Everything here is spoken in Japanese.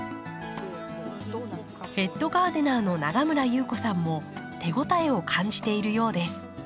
ヘッドガーデナーの永村裕子さんも手応えを感じているようです。